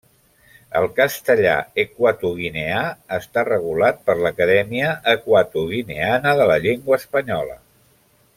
El castellà equatoguineà està regulat per l'Acadèmia Equatoguineana de la Llengua Espanyola.